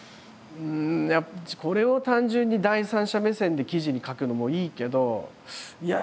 これを単純に第三者目線で記事に書くのもいいけどいや